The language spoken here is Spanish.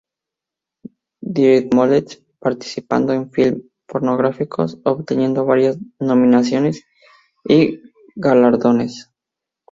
Direct Models, participando en films pornográficos, obteniendo varias nominaciones y galardones.